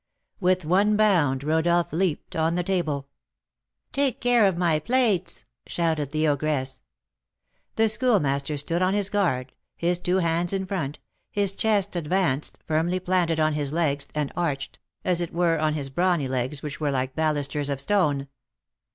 With one bound Rodolph leaped on the table. "Take care of my plates!" shouted the ogress. The Schoolmaster stood on his guard, his two hands in front, his chest advanced, firmly planted on his legs, and arched, as it were, on his brawny legs, which were like balusters of stone.